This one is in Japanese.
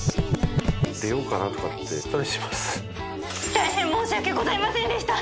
「大変申し訳ございませんでした」